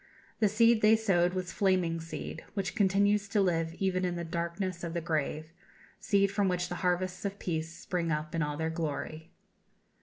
The seed they sowed was "flaming" seed, which continues to live even in the darkness of the grave; seed from which the harvests of peace spring up in all their glory.